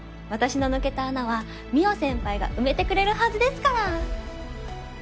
私の抜けた穴は望緒先輩が埋めてくれるはずですから！